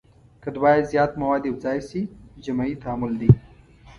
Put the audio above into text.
که دوه یا زیات مواد یو ځای شي جمعي تعامل دی.